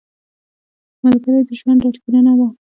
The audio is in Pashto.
ملګری د ژوند ډاډګیرنه ده